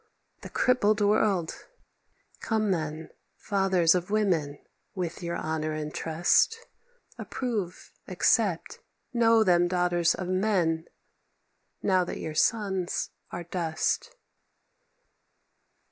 The crippled world! Come then, Fathers of women with your honour in trust; Approve, accept, know them daughters of men, Now that your sons are dust.